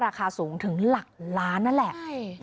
ราคาสูงถึงหลักล้านนั่นแหละ